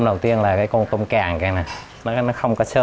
nó tin tưởng tôm này là mỏ tốt